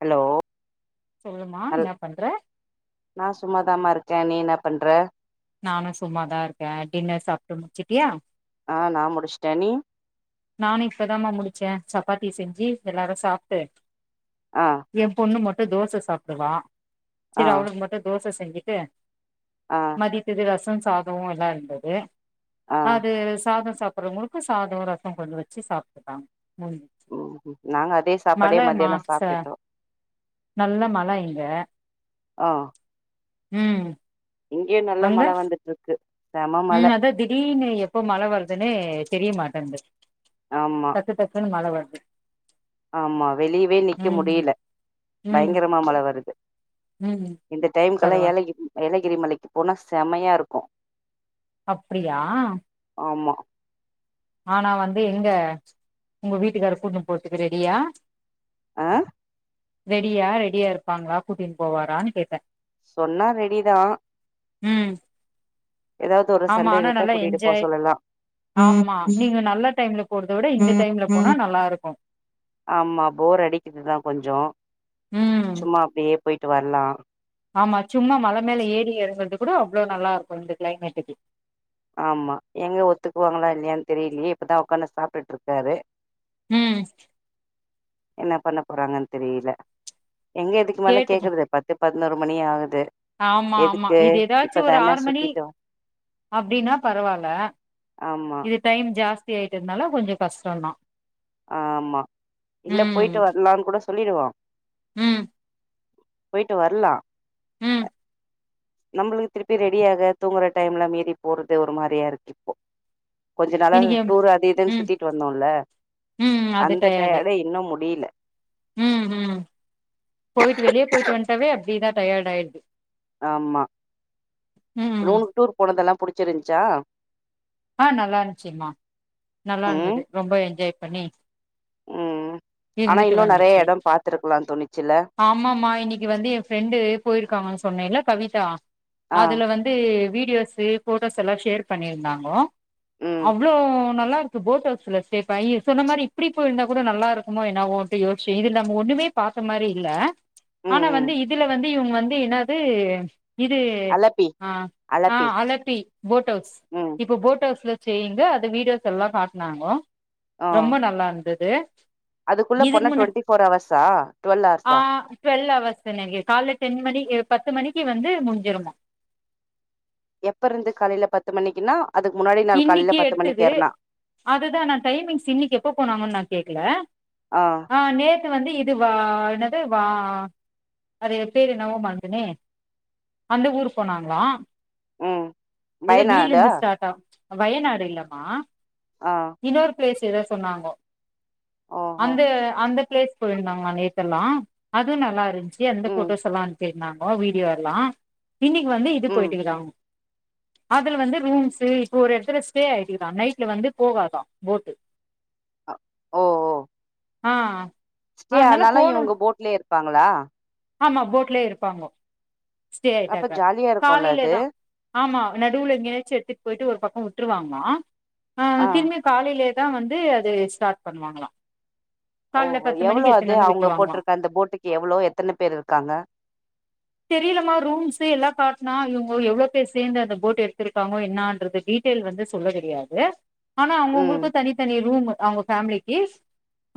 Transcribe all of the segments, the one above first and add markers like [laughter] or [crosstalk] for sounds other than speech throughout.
hello சொல்லுமா நல் என்ன பண்ற நா சும்மாதாமா இருக்கே நீ என்ன பண்ற நானூ சும்மாதா இருக்கே டின்னர் சாப்ட்டு முச்சுட்டியா ஆ நா முடிச்டே நீ நானும் இப்பதாமா முடிச்சே சப்பாத்தி செஞ்சு எல்லாரூ சாப்ட்டு ஆ என் பொண்ணு மட்டூ தோச சாப்ட்ருவா ஆ செரி அவளுக்கு மட்டு தோச செஞ்சுட்டு ஆ மதித்தக்கு ரசம் சாதோ எல்லா இருந்தது ஆ அது சாதோ சாப்பிற்றவங்களுக்கு சாதோ ரசோ கொண்டு வச்சி சாப்டுல்லா முடிஞ் ம் ம் நாங்க அதே சாப்பாடே மத்தியானோ ச சாப்ட்டுட்டோ நல்ல மல இங்க ஆ ம் இங்யே நல்ல அங்க மழ வந்துட்ருக்கு ம் அதா திடீர்னு எப்போ மழ வர்துன்னே தெரிய மாட்டன்து ஆம்மா டக்கு டக்குனு மழ வருது ஆமா வெளிய்வே நிக்க ம் முடில ம் பயங்கரமா மழ வருது ம் இந்த டைம்கல்லா பரவா ஏலகி ஏலகிரி மலைக்கு போனா செம்மையா இருக்கு அப்டியா ஆமா ஆனா வந்து எங்க உங்க வீட்டுக்காரு கூட்ணு போற்துக்கு ரெடியா அ ரெடியா ரெடியா இருப்பாங்ளா கூட்டின் போவாரான் கேட்ட சொன்னா ரெடிதா ம் எதாவ்து ஒரு ஆமா ஆனா சண்டேலதா நல்லா கூட்டிட்டு போ என்ஜாய் சொல்லலா ஆமா நீங்கோ நல்ல டைம்ல போறத விட இந்த டைம்ல போனா நல்லாருக்கு ஆம்மா போர் அடிக்கிதுதா கொஞ்சோ ம் சும்மா அப்டியே போய்ட்டு வர்லா ஆமா சும்மா மல மேலே ஏறி எறங்கற்து கூட அவ்ளோ நல்லாருக்கு இந்த க்ளைமேட்டுக்கு ஆம்மா எங்க ஒத்துக்குவாங்ளா இல்லயான் தெரிய்லியே இப்பதா உக்காந்து சாப்ட்டுட்ருக்காரு ம் என்ன பண்ண போறாங்கன் தெரியல எங்க இதுக்குமேலே கேட்டு கேக்கற்து பத்து பதுனோரு மணி ஆகுது ஆமா ஆமா எதுக்கு இது எதாச்சு ஒரு இப்பதான ஆறு மணி சுத்திட்டு வ அப்டினா பரவால்ல ஆமா இது டைம் ஜாஸ்தி ஆயிட்டதுனால கொஞ்சோ கஸ்ட்டோந்தா ஆமா இல்ல ம் போய்ட்டு வரலான் கூட சொல்லிடுவோ ம் போய்ட்டு வர்லா ம் நம்ப்ளுக்கு திருப்பி ரெடியாக தூங்குற டைம்ல மீறி போறது ஒரு மாரியா இருக்கு இப்போ கொஞ்ச நாள இன்னிக்கு டூர் அது இதுன் ம் சுத்திட்டு வந்தோல்ல ம் அது அந்த டயர்டு டயடு இன்னு முடில ம் ம் போயிட்டு வெளிய போயிட் வன்ட்டாவே அப்டிதா டயேர்ட்டு ஆயிட்து ஆமா ம் நூணுக் டூர் போனதல்லா புடிச்சிருந்ச்சா அ நல்லாந்ச்சிம்மா ம் நல்லாருந்துது ரொம்ப என்ஜாய் பண்ணி ம் ஆனா இருந்துட்டு இன்னு நறையா எடோ பாத்துருக்லான் தோணுச்சில ஆமம்மா இன்னிக்கி வந்து ஏ ஃப்ரெண்டு போயிருக்காங்கன்னு சொன்னேல்ல கவிதா ஆ அதுல வந் து வீடியோஸு போட்டோஸ் எல்லா ஷேர் பண்ணிருந்தாங்கோ ம் இவ்ளோ நல்லாருக்கு போட் ஹவுல்ல ஸ்டேபையு சொன்ன மாரி இப்டி போயிருந்தா கூட நல்லா இருக்குமோ என்னாவோ கு யோஸ்ச்சி இதில் நம்ம ஒன்னுமே பத்தமரி இல்ல ம் ஆனா ம் வந்து இதுல வந்து இவுங் வந்து என்னாது இது அலப்பி அ ஆ அலப்பி அலட்டி போட் ஹவுஸ் ம் இப்போ போட் ட்டோஸ்ல ஸ்டேயிங்கு அது வீடியோஸ் எல்லா காட்னாங்கோ ஆ ரொம்ப நல்லார்ந்துது அதுக்குள்ள போன டுவண்ட்டி ஃபோர் ஹவர்ஸ்ஸா டுவல் ஆர்ஸா ட்வெல் அவர்ஸு எனக்கு கால்ல டென் மணிக்கு பத்து மணிக்கு வந்து முஞ்சிரும்மா எப்ப இருந்து காலைல பத்து மணிக்கினா அதுக்கு முன்னாடி நாள் காலைல இன்னைக்கி பத்து மணிக்கு எடுத்தது ஏறுனா அதுதா நா டைமிங்ஸ் இன்னைக்கி எப்ப போனாங்கன்னு நா கேக்கல ஆ நேத் இது வந்து இது வா என்னது வா அது பேரு என்னவோ மறந்ட்டேனே அந்த ஊர் போனாங்ளா ம் இல்ல வீல வயநாடா இருந்து ஸ்டார்ட் ஆகு வயநாடு இல்லமா ஆ இன்னொரு பிளேஸ் எதோ சொன்னாங்கோ ஓஹோ அந்த அந்த பிளேட் போயிருந்தாங்ளா நேத்து எல்லா அதுவு நல்லா இருந்துச்சு அந்த ம் போட்டோஸ் எல்லா அனுப்பிருந்தாங்கோ வீடியோ எல்லா இன்னைக்கி வந்து இது ம் போயிட்டு இருக்காங் அதுல வந்து ரூம்ஸ்சு இப்ப ஒரு எடத்துல ஸ்டே ஆயிடுக்குதா நைட்ல வந்து போகாதா போட்டு ஓ ஓ ஆ ஆ ஸ்டே அதனால இவங்க போட்லே இருப்பாங்ளா ஆமா போட்லே இருப்பாங்கோ ஸ்டே அப்ப ஆயிட்டாக்க ஜாலியா இருக்குல்ல அது காலைலதா ஆமா நடுவுல எங்னயாச்சு எடுத்துட்டு போயிட்டு ஒரு பக்கோ வுட்டுருவாங்ளா ஆ திரும்பி காலைலே தா வந்து அது ஸ்டார்ட் பண்ணுவாங்களா காலைல ஓஹோ பத்து எவ்ளோ மணிக்கு அது எத்துன்னு வந்து அவுங்க விட்டுருவாங்களா போட்டிருக்க அந்த போட்டுக்கு எவ்ளோ எத்தன பேர் இருக்காங்க தெரிலமா ரூம்ஸ்சு எல்லா காட்னோ இவுங்கோ எவ்ளோ பேர் சேந்து அந்த போட் எடுத்துருக்காங்கோ என்னான்றது டீட்டெய்ல் வந்து சொல்ல தெரியாது ஆனா ம் அவுங்கவுங்களுக்கு தனித்தனி ரூமு அவுங்க ஃபேமிலிக்கிஸ்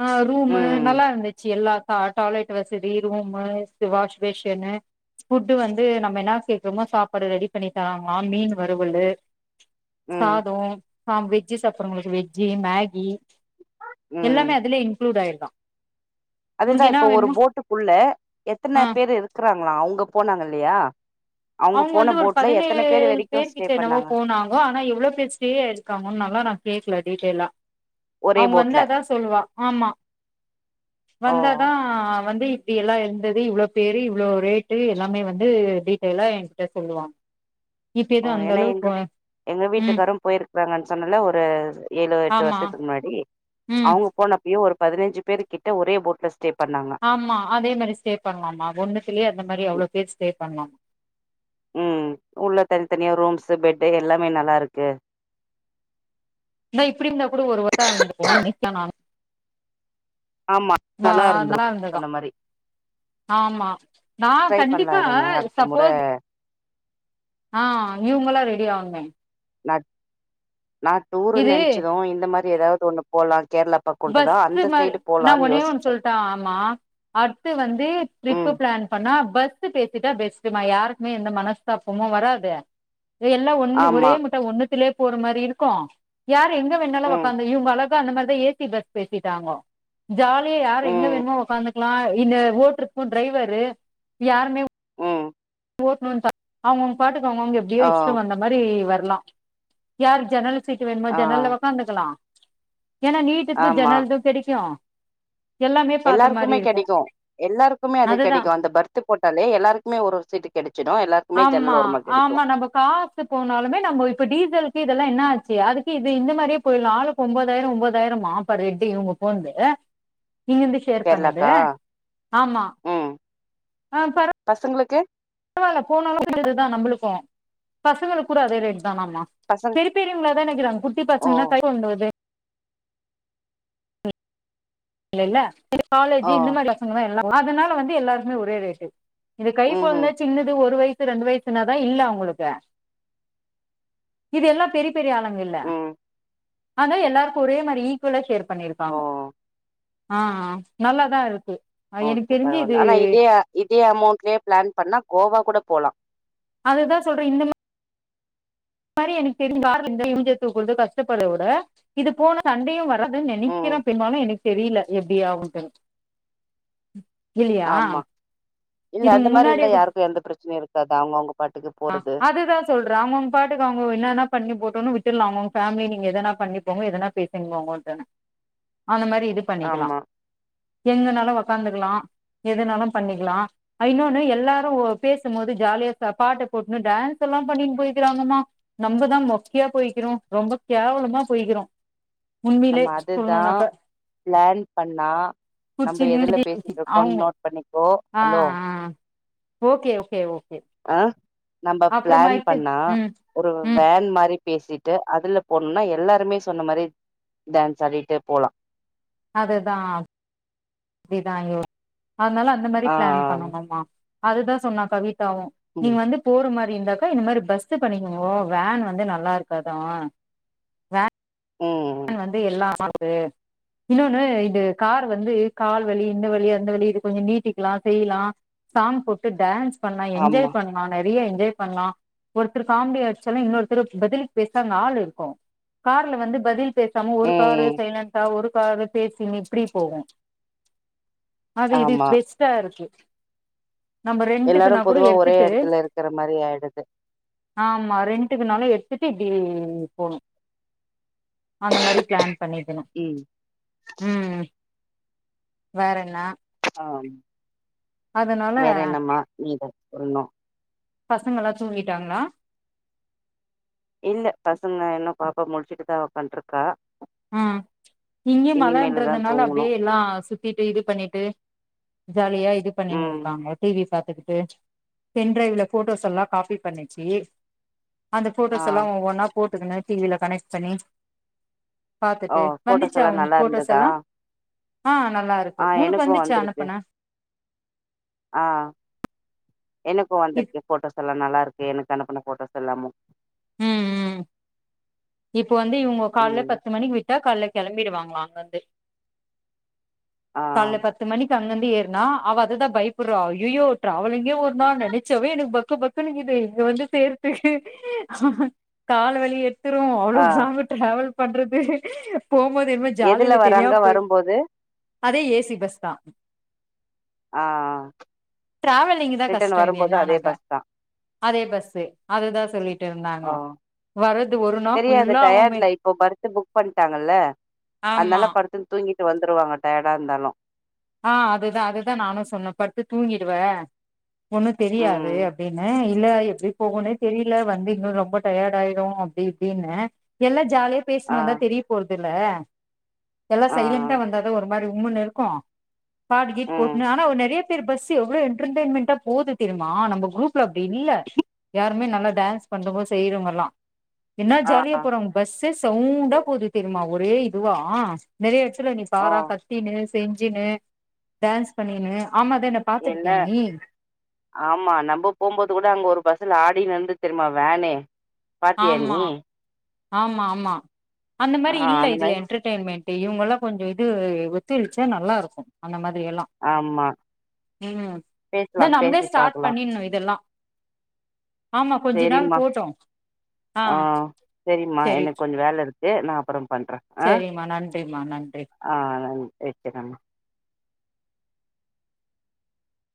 அ ரூமு ம் நல்லாருந்துச்சு எல்லா அ டாய்லெட் வசதி ரூமு வாஷ் பேஷனு புஃட்டு் வந்து நம்ம என்ன கேக்குறோமோ சாப்பாடு ரெடி பண்ணி தராங்களா மீன் வறுவல்லு ம் சாதோ ஆ வெஜ்ஜி சாப்டுறங்களுக்கு வெஜ்ஜி மேகி ம் எல்லாமே அதுலே இன்க்ளூட் ஆயிருதா அதுதா உனக்கு என்ன இப்ப ஒரு வேணுமோ போட்டுக்குள்ள ஆ எத்தன பேரு இருக்கிறாங்ளா அவுங்க போனாங்க இல்லையா அவுங்க போன வந்து ஒரு போட்ல எத்தன பதினேழு வரைக்கு பேரு ஸ்டே கிட்ட என்னவோ பண்ணாங்க போனாங்க ஆனா எவ்ளோ பேர் ஸ் ஸ்டே ஆயிருக்காங்கன்லா நா கேக்கல டீடைல்லா ஒரே அவுங்க வந்து போட்ல அதா சொல்லுவா ஆமா ஓ வந்தாதா வந்து இது எல்லா இருந்தது இவ்ளோ பேரு இவ்ளோ ரேட்டு எல்லாமே வந்து டீட் டைல்லா என்ட்ட சொல்லுவாங்க இது ஓ அந்த ஏன்னா அளவுக்கு எங்க ஓ எங்க வீட்டுக்காரு போயிருக்கறாங்கன்னு சொன்னல்ல ஒரு ஏழு எட்டு ஆமா வர்ஷத்துக்கு முன்னாடி ம் அவுங்க போனப்பயோ ஒரு பதினஞ்சு பேரு கிட்ட ஒரே போட்ல ஸ்டே பண்ணாங்க ஆமா அதே மாதிரி ஸ்டே பண்ணலாமா ஒன்னத்திலே அந்த மாரி ம் அவ்ளோ பேர் ஸ்டே பண்ல்லா ம் உள்ள தனித்தனியா ரூம்ஸ்சு பெட்டு எல்லாமே நல்லா இருக்கு இந்தா இப்டி இருந்தா கூட ஒருவத்தோ இருந்துப்போ நீட்டா நானு ஆமா நல்லா நார்ம்லா இருந்திருக்கு இருந்ததா சொன்ன மாரி ஆமா நா ட்ரை பண்லா கண்டிப்பா இருங்க அடுத்த முற சப்போஸ் ஆ இவுங்களா ரெடி ஆவுனுமே நா நா டூருன் இது நெனச்சது இந்த மாரி ஏதாது ஒண்ணு போல்லா கேரளா பக்கோன்ட்டுதா பஸ்சு அந்த மாரி சைடு நா போலான்னு ஒன்னே ஒன்னு யோசிச்சோ சொல்ட்டா ஆமா அட்த்து வந்து ம் ட்ரிப்பு ப்ளான் பண்ணா பத் ட்டு பேசிட்டா பெஸ்ட்டுமா யாருக்குமே எந்த மனஸ்தாப்பமு வராது எல்லா ஒன்னு ஒரே ஆமா முட்டா ஒன்னுத்திலே போற மாரி இருக்கு யாரு எங்க வேணாலு ம் ஒக்காந்து இவுங்கள அந்த மாரிதா ஏ சி பஸ் பேசிட்டாங்கோ ஜாலியா யாரு எங்க ம் வேண்மோ ஒக்காந்துக் லா இந்த ஓட்டுருக்கு ட்ரைவரு யாருமே ம் ஓட்ணுந்தா அவுங்கவுங்க பாட்டுக்கு அவங்கவுங்க எப்டியோ ஓ இஷ்டம் வந்த மாரி வர்லா யார் ஜன்னலு சீட்டு வேணுமோ ஆ ஜன்னல்ல உக்காந்துக்கலா ஏனா நீட்டுக்கு ஆமா ஜன்னல்து கெடைக்கு எல்லாமே பாத்த மாரி எல்லாருக்குமே இருக்கு கெடைக்கு எல்லாருக்குமே அது அதுதா கெடைக்கு அந்த பர்த் து போட்டாலே எல்லாருக்குமே ஒரு ஒரு சீட்டு கெடைச்சிடு எல்லா ஆம்மா ஆமா நம்ம கா சு போனாலுமே நம்போ இப்ப டீசலுக்கு இதல்லா என்ன ஆச்சு அதுக்கு இது இந்த மாரியே போய்ட்லா ஆளுக்கு ஒம்பதாயிர ஒம்பதாயிரமா ஃபார் ஹெட்டு இவுங்க போன்து அ இங்கிருந்து ஷேர் பண்ணது கேரளாக்கா ஆமா ம் அ பர பசங்களுக்கு வால்ல போனாலு இதுதா நம்புளுக்கு பசங்களுக்கூட அதே ரேட் தானாமா பசங் பெரிய பெரியவங்களா தானக்கிறாங்கோ குட்டி ஓ பசங்களா கை ஓங்குவர்து இல்லல்ல [inaudible] காலேஜி ஓ இந்த மாரி பசங்கதா எல்லா அதனால வந்து எல்லாருக்மே ஒரே ரேட்டு இது கைக்கொழ்ந்த ம்ஹும் சின்னது ஒரு வயசு ரெண்டு வயசுனாதா இல்ல அவுங்குளுக்கு இது எல்லா பெரி பெரிய ஆளுங்கில்ல ம் ஆனா எல்லாருக்கு ஒரே மாரி ஈக்குவலா ஷேர் ஓ பண்ணிருக்காங்கோ அ அ நல்லதா இருக்கு எனக்கு ஓகே தெரிஞ்சு இது பரவால்ல ஆனா இதே இதே அமௌண்ட்லே ப்ளான் பண்ணா கோவாக்கூட போலா அதுதா சொல்ற இந்த மா ரி எனக் தெரி [inaudible] மூஞ்ச தூக்கருது கஷ்டப்பட்ற விட இது போனா சண்டையு வராதுன் ம் நெனைக்கிறே பெரும்பாலு எனக் தெரில எப்டியாவுன்ட்டு ஆமா இல்ல இது அந்த மாரி இருந்தா முன்னாடியே யாருக்கு எந்த பிரச்சனையு இருக்காது அவுங்கவுங்க பாட்டுக்கு போறது சொல்றாங்கோங் பாட்டுக்கு அவுங்க என்னனா பண்ணி போட்டுன்னு விட்டுலா அவுங்கவுங்க ஃபேமிலி நீங்க எதனா பண்ணிக்கோங்க எதனா பேசின் போங்கோடன அந்த மாரி இது பண்ணிக்லா ஆமா எங்கனாலு வொக்காந்துக்கலா எதுனாலு பண்ணிக்லா அ இன்னொன்னு எல்லாரு பேசும் போது ஜாலியா ச பாட்டு போட்டுனு டேன்ஸ்ஸெல்லா பண்ணின் போயி க்கிறாங்கமா நம்பதா மொக்கயா போய்க்கிறோ ரொம்ப கேவலமா போய்க்கிறோ உண்மைய்லே சொல்லுணுனாக்க ப்ளானிங் பண்ணா நம்ப எதுல குச்சின்னு பேசிட்ருகோ அவங்க நோட் பண்ணிக்கோ ஹலோ ஆஹ் ஓகே ஓகே ஓகே அ நம்ப ப்ளான் அப்புறமாயிட்டு பண்ணா உம் ஒரு உம் வேன் மாரி பேசீட்டு அதுல போணுனா எல்லாருமே சொன்ன மாரி டான்ஸ் ஆடிட்டே போலா அதுதா இப்டிதா அய்யோ அதனால அந்த மாரி ஆ ப்ளான் பண்ணணுமா அதுதா சொன்னா கவிதாவு ம் நீங்க வந்து போற மாரி இருந்தாக்கா இந்த மாரி பஸ்ல பண்ணிக்கோங்கோ வேன் வந்து நல்லாருக்காதா ம் வந்து எல்லா [inaudible] இன்னொன்னு இது கார் வந்து கால் வலி இந்த வலி அந்த வலி இது கொஞ்ச நீட்டிக்லா செய்லா சாங் போட்டு டான்ஸ் பண்ணா ஆமா என்ஜாய் பண்ணு ஆ நெறைய என்ஜாய் பண்ணலா ஒருத்தர் காமெடி ஆடிச்சாலு இன்னொருத்தரு பதில் பேச அங்க ஆள் இருக்கு கார்ல வந்து பதில் நம்ம ஒரு காரு ம் சைலன்டா ஒரு காரு பேசினு இப்டி போகு அது இது ஆமா பெஸ்ட்டா இருக்கு நம்ம எல்லாரு ரெண்ட்டுக்குனா கூட பொதுவா ஒரே எடுத்துட்டு எடத்துல இருக்கிற மாரி ஆயிடுது ஆமா ரெண்ட்டுக்கு நாளு எடுத்துட்டு இப்டி போனு அந்த மாரி பிளான் பண்ணிக்குணு ம் ம் வேறென்ன ஆ வேற என்னம்மா நீதா சொல்லுணு பசங்க எல்லா தூங்கிட்டாங்ளா இல்ல பசங்க இன்னு பாப்பா முடிச்சுட்டுதா உக்காண்ட்ருக்கா ம் இங்கயு இனிமேலு தா மழன்றதுனால தூங்கணு அப்டியே எல்லா சுத்திட்டு இது பண்ணிட்டு ஜாலியா இது பண்ணினு ம் இருக்காங்க டி வி பாாத்துக்கிட்டு பென் ட்ரைவ்ல ஃபோட்டோஸ் எல்லா காப்பி பண்ணிச்சு அந்த ஆ போட்டோஸ் எல்லா ஒவ்வொன்னா போட்டுக்குணு டி வில கனெக்ட் பண்ணி ஓ பாத்துட்டு ஃபோட்டோஸ் வந்துச்சா எல்லா உனக்கு நல்லா இருந்ததா போட்டோஸெல்லா ஆ நல்லா இருக்கு ஆ உனுக்கு எனக்கு வந்துச்சா வந்திருக்கு அனுப்புன ஆ எனக்கு இப் வந்துருக்கு போட்டோஸ் எல்லா நல்லா இருக்கு எனக்கு அனுப்புன போட்டோஸெல்லாமு ம் ம் இப்ப வந்து இவுங்க கால்ல ம் பத்து மணிக்கு விட்டா கால்ல கிளம்பிடுவாங்ளா அங்க இருந்து ஆ கால்ல பத்து மணிக்கு அங்கந்து ஏர் னா அவ அததா பயப்படுறா அய்யயோ டிராவலிங்கே ஒரு நாள் நெனைச்சாவே எனக்கு பக்கு பக்குனு இக்குது இங்க வந்து சேர் கால்ல வலிய எடுத் துரு அவ்ளோ ஆ சாம டிராவல் பண்றது போம்போது என்மோ எதுல ஜாலியில வராங்க தெரியாம போய் வரும்போது அதே ஏ சி பஸ் தா ஆ ட்ராவலிங் தா ரிட்டன் கஷ்ட இது வரும்போது அதே என்னானாக்கா பஸ் தா அதே பஸு அததா சொல்லிட்டு ஓ இருந்தாங்கோ வரத் தெரியாது டயட்ல இப்போ பர்த்து புக் பண்ணிட்டாங்கல்ல ஆமா அதனால பர்த் தூங்கிட்டு வந்துருவாங்க டயடா இருந்தாலு ஆ அதுதா அதுதா நானு சொன்ன படுத்து தூங்கிடுவ ஒண்ணு தெரியாது ம் அப்டின்னு இல்ல எப்டி போகுனே தெரியில வந்து இன்னு ரொம்ப டயட் ஆயிடு அப்டி அப்டின்ன எல்லா ஜாலியா ஆ பேசிணு வந்தா தெரிய போறதில்ல எல்லா ஆ சைலண்டா வந்தாதா ஒரு மாரி உம்ன்னு இருக்கு பாட்டு கீட்டு ம் போட்டுனு ஆனா ஒரு நெறைய பேர் பஸு எவ்ளோ என்டர்டயன்மெண்ட்டா போது தெரிமா நம குரூப்ல அப்டி இல்ல யாருமே நல்லா டான்ஸ் பண்றங்கோ செய்றவுங்க எல்லா என்னா ஆ ஜாலியா போறாங்க பஸே சவுண்டா போது தெரிமா ஒரே இதுவா நெறைய நீ ஓ பாரா கத்தினு செஞ்சுனு டான்ஸ் பண்ணினு ஆமா தான இல்ல ஆமா நம்ம போபோது கூட அங்க ஒரு பஸ்ஸில ஆடினுந்து இருந்துது தெரிமா வேனே பாத்தியா நீ ஆமா ஆமா ஆமா அந்த ஆ மாரி இல்ல அந்த இதுல மாரி என்ட்ரெயின் என்டென்மெண்ட் இவுங்கலா கொஞ்சோ இது ஒத்துழச்சா நல்லாருக்கு அந்த மாரியெல்லா ஆமா ம் பேசலா இத நம்ளே பேசி ஸ்டார்ட் பாக்கலா பண்ணிடுணு இதெல்லா ஆமா கொஞ்ச நாள் செரிம்மா போட்டோ ஆ செரிம்மா எனக்கு கொஞ்சோ வேல இருக்கு நா அப்புறோ பண்றே ஆ செரிம்மா நன்றிமா நன்றி ஆ நன் வெக்கிற மா